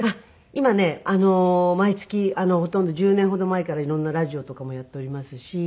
今ね毎月ほとんど１０年ほど前から色んなラジオとかもやっておりますし。